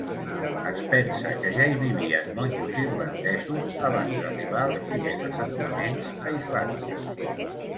Es pensa que ja hi vivien monjos irlandesos abans d'arribar els primers assentaments a Islàndia.